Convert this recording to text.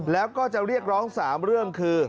แล้วก็จะเรียกร้อง๓เรื่องคือ